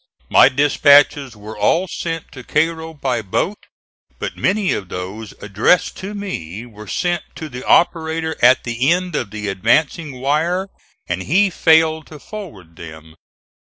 My dispatches were all sent to Cairo by boat, but many of those addressed to me were sent to the operator at the end of the advancing wire and he failed to forward them.